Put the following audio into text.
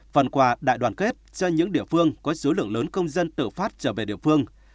phần quà đại đoàn kết cho những địa phương có số lượng lớn công dân tự phát trở về địa phương